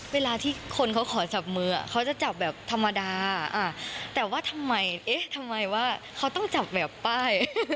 เวลาที่คนเขาขอจับมือเขาจะจับแบบธรรมดาแต่ว่าทำไมเอ๊ะทำไมทำไมว่าเขาต้องจับแบบป้าย